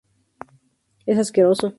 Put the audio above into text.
Es asqueroso.